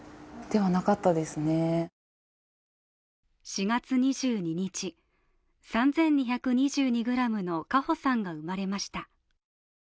４月２２日、３２２２ｇの花保さんが生まれました。